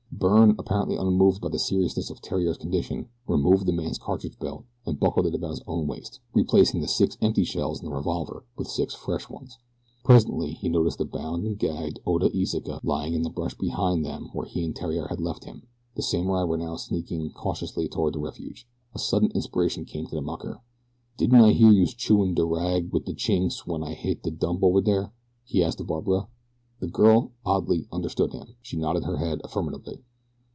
Byrne, apparently unmoved by the seriousness of Theriere's condition, removed the man's cartridge belt and buckled it about his own waist, replacing the six empty shells in the revolver with six fresh ones. Presently he noticed the bound and gagged Oda Iseka lying in the brush behind them where he and Theriere had left him. The samurai were now sneaking cautiously toward their refuge. A sudden inspiration came to the mucker. "Didn't I hear youse chewin' de rag wit de Chinks wen I hit de dump over dere?" he asked of Barbara. The girl, oddly, understood him. She nodded her head, affirmatively.